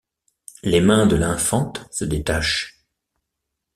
Les mains de l'infant se détachent.